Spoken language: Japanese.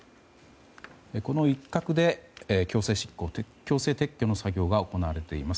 この一角で強制撤去の作業が行われています。